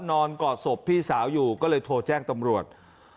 กอดศพพี่สาวอยู่ก็เลยโทรแจ้งตำรวจ